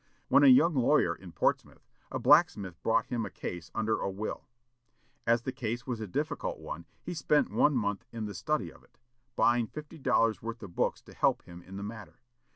When a young lawyer in Portsmouth, a blacksmith brought him a case under a will. As the case was a difficult one, he spent one month in the study of it, buying fifty dollars' worth of books to help him in the matter.